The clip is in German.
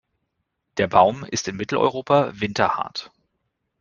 Der Baum ist in Mitteleuropa winterhart.